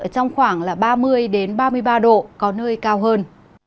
trong khoảng ba mươi ba mươi ba độ có nơi cao hơn